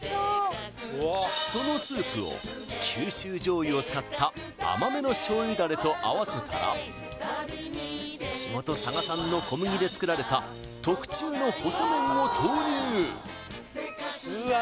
そのスープを九州醤油を使った甘めの醤油ダレとあわせたら地元佐賀産の小麦で作られた特注の細麺を投入